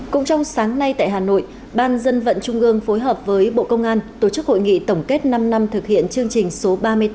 cũng trong sáng nay tại hà nội ban dân vận trung ương phối hợp với bộ công an tổ chức hội nghị tổng kết năm năm thực hiện chương trình số ba mươi tám